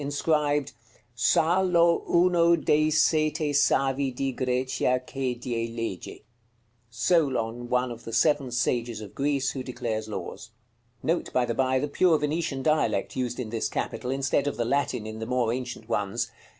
Inscribed: "SAL^O UNO DEI SETE SAVI DI GRECIA CHE DIE LEGE." Solon, one of the seven sages of Greece, who declares laws. Note, by the by, the pure Venetian dialect used in this capital, instead of the Latin in the more ancient ones.